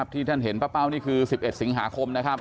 ที่ท่านเห็นป้าเป้านี่คือ๑๑สิงหาคมนะครับ